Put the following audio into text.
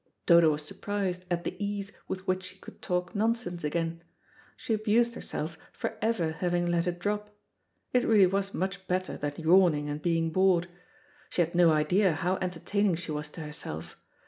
Dodo was surprised at the ease with which she could talk nonsense again. She abused herself for ever having let it drop. It really was much better than yawning and being bored. She had no idea how entertaining she was to herself.